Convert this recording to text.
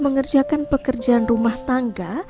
mengerjakan pekerjaan rumah tangga